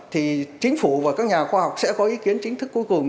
thì chính phủ và các nhà khoa học sẽ có ý kiến chính thức cuối cùng